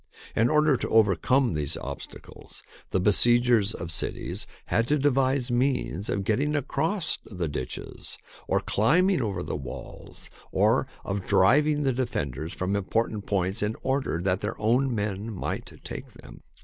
In order to overcome these obstacles, the besiegers of cities had to devise means of getting across the ditches or climbing over the walls, or of driving the defenders from important points in order that their own men might take them.